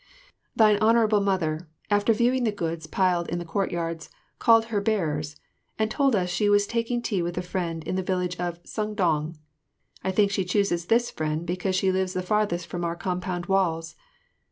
Thine Honourable Mother, after viewing the goods piled in the courtyards, called her bearers and told us she was taking tea with a friend in the village of Sung dong. I think she chose this friend because she lives the farthest from our compound walls.